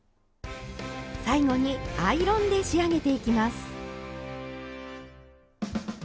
最後にアイロンで仕上げていきます。